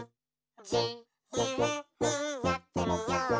「じゆうにやってみよう」